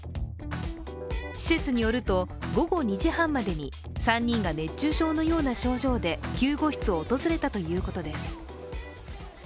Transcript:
施設によると、午後２時半までに３人が熱中症のような症状で救護室を訪れたということです。